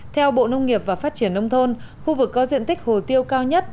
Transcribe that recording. theo bộ nông nghiệp và phát triển nông thôn khu vực có diện tích hồ tiêu cao nhất